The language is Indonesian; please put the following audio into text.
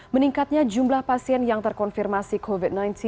meningkatnya jumlah pasien yang terkonfirmasi covid sembilan belas